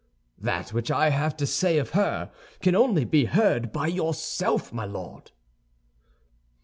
"That which I have to say of her can only be heard by yourself, my Lord!"